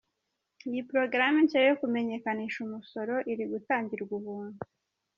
Iyi porogaramu nshya yo kumenyekanisha umusoro iri gutangirwa ubuntu.